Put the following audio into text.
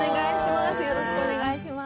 よろしくお願いします